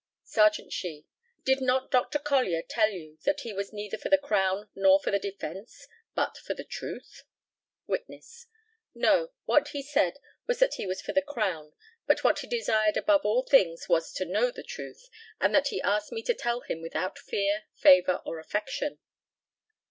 Serjeant SHEE: Did not Dr. Collier tell you that he was neither for the Crown nor for the defence, but for the truth? Witness: No; what he said was that he was for the Crown; but what he desired above all things was to know the truth, and that he asked me to tell him without fear, favour, or affection.